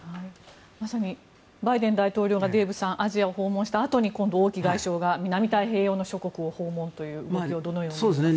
まさにバイデン大統領がアジアを訪問したあとに今度は王毅外相が南太平洋の諸国を訪問という動きをどのように見ますか？